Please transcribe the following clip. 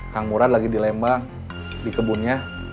kang murad lagi di lembang di kebunnya